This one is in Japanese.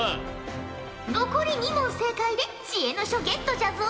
残り２問正解で知恵の書ゲットじゃぞ！